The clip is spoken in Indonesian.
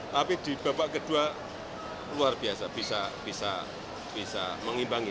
tapi di babak kedua luar biasa bisa mengimbangi